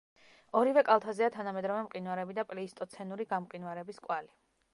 ორივე კალთაზეა თანამედროვე მყინვარები და პლეისტოცენური გამყინვარების კვალი.